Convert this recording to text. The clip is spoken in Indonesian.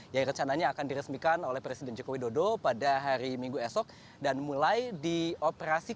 yang rencananya akan diresmikan oleh presiden jokowi dodo